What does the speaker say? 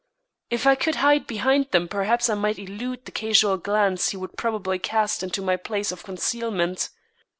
If I could hide behind them perhaps I might elude the casual glance he would probably cast into my place of concealment.